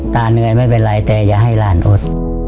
เหนื่อยไม่เป็นไรแต่อย่าให้หลานอด